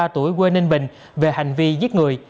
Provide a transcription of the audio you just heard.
bốn mươi ba tuổi quê ninh bình về hành vi giết người